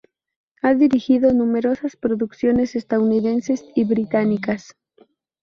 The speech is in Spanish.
Ha dirigido numerosas producciones estadounidenses y británicas.